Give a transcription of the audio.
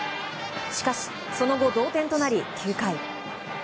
しかし、その後同点となり９回。